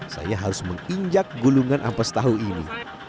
saya harus menginjak gulungan ampas tahu ini